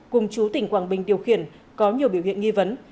cùng chú tỉnh quảng bình điều khiển có nhiều biểu hiện nghi vấn